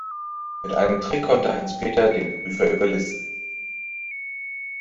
Mit einem Trick konnte Hans-Peter den Prüfer überlisten.